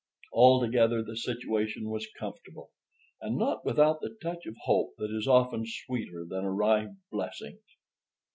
Altogether, the situation was comfortable, and not without the touch of hope that is often sweeter than arrived blessings.